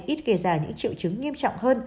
ít gây ra những triệu chứng nghiêm trọng hơn